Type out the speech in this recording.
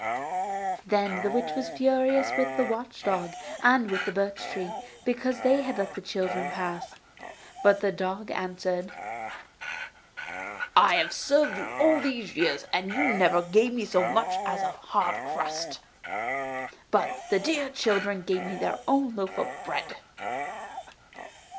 Then the witch was furious with the watch dog and with the birch trees, because they had let the children pass. But the dog answered: 'I have served you all these years and you never gave me so much as a hard crust, but the dear children gave me their own loaf of bread.